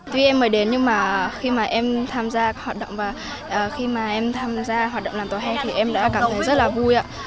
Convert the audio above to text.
tuy em mới đến nhưng mà khi mà em tham gia hoạt động làm tòa hè thì em đã cảm thấy rất là vui ạ